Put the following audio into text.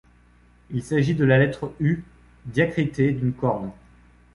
Il s'agit de la lettre U diacritée d'une corne.